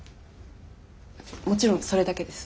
もちろんそれだけです。